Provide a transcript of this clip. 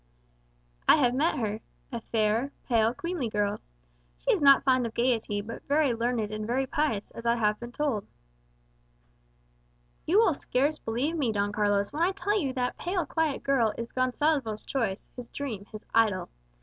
"I have met her. A fair, pale, queenly girl. She is not fond of gaiety, but very learned and very pious, as I have been told." "You will scarce believe me, Don Carlos, when I tell you that pale, quiet girl is Gonsalvo's choice, his dream, his idol.